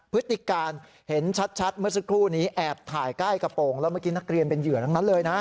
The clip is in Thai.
พฤติการเห็นชัดเมื่อสักครู่นี้แอบถ่ายใกล้กระโปรงแล้วเมื่อกี้นักเรียนเป็นเหยื่อทั้งนั้นเลยนะ